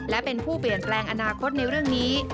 และเป็นผู้เปลี่ยนแปลงอนาคตในเรื่องนี้